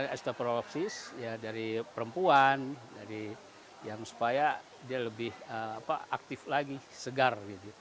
airnya dianggap sebagai air yang lebih aktif dan segar